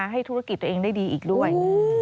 ให้ธุรกิจตัวเองได้ดีอีกด้วย